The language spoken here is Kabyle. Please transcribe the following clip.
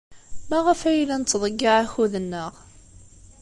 Maɣef ay la nettḍeyyiɛ akud-nneɣ?